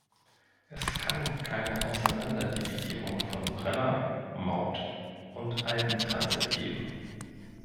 Es kann keine Auseinanderdividierung von Brenner, Maut und Alpentransit geben.